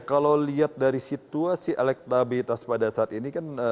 kalau lihat dari situasi elektabilitas pada saat ini kan